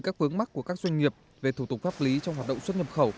các vướng mắt của các doanh nghiệp về thủ tục pháp lý trong hoạt động xuất nhập khẩu